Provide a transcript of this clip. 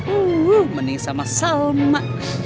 uh mending sama salma